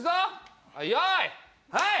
はい。